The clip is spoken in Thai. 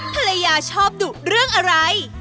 ภรรยาชอบดุเรื่องอะไร